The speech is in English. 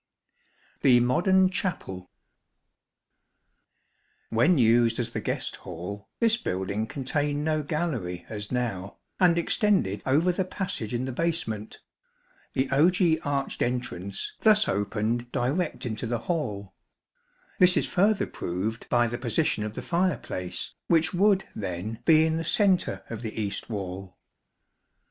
The Modern Chapel. When used as the guest hall, this building contained no gallery as now, and extended over the passage in the basement, the ogee arched entrance thus opened direct into the hall ; this is further proved by the position of the fire place, which would then be in the centre of the east wall.